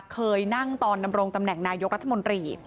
เคยนั่งตอนดำรงตำแหน่งนายกรัฐมนตรี